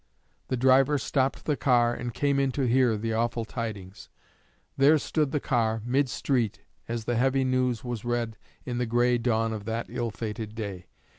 _' The driver stopped the car, and came in to hear the awful tidings. There stood the car, mid street, as the heavy news was read in the gray dawn of that ill fated day.